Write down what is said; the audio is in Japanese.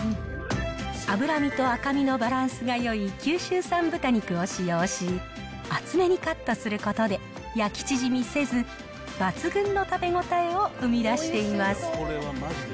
脂身と赤身のバランスがよい九州産豚肉を使用し、厚めにカットすることで、焼き縮みせず、抜群の食べ応えを生み出しています。